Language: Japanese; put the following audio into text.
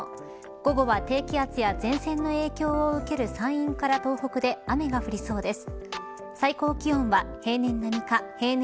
午後は、低気圧や前線の影響を受ける山陰から東北で雨が降りそうです。